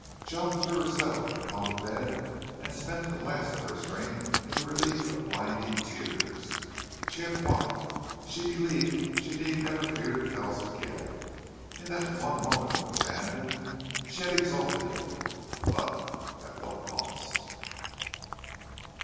Joan threw herself upon the bed and spent the last of her strength in the relief of blinding tears. She had won. She believed she need never fear Kells again. In that one moment of abandon she had exalted him. But at what cost!